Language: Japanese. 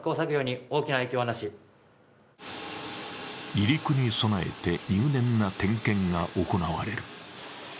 離陸に備えて入念な点検が行われる。